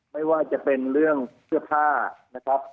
ไม่ว่าจะเป็นเรื่องเสื้อผ้านะครับ